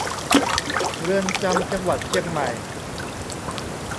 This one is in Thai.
เรือนจำจังหวัดเชียงใหม่